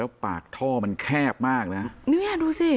แล้วปากท่อมันแคบมากนะเนี่ยดูสิ